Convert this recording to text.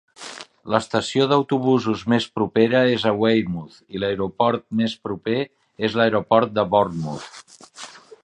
L'estació d'autobusos més propera és a Weymouth i l'aeroport més proper és l'aeroport de Bournemouth.